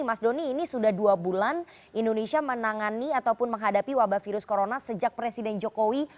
mas doni ini sudah dua bulan indonesia menangani ataupun menghadapi wabah virus corona sejak presiden jokowi